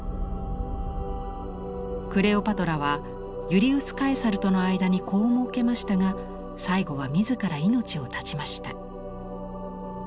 クレオパトラはユリウス・カエサルとの間に子をもうけましたが最後は自ら命を絶ちました。